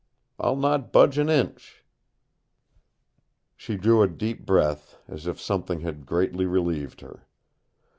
I'll not budge an inch." She drew a deep breath, as if something had greatly relieved her.